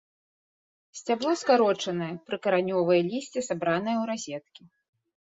Сцябло скарочанае, прыкаранёвае лісце сабранае ў разеткі.